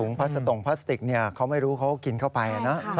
พัสตรงพลาสติกเขาไม่รู้เขาก็กินเข้าไปนะ